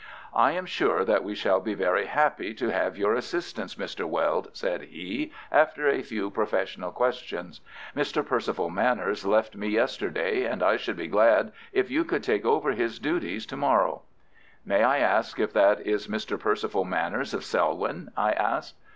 "I am sure that we shall be very happy to have your assistance, Mr. Weld," said he, after a few professional questions. "Mr. Percival Manners left me yesterday, and I should be glad if you could take over his duties to morrow." "May I ask if that is Mr. Percival Manners of Selwyn?" I asked.